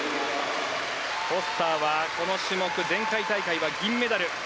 フォスターはこの種目前回大会は銀メダル。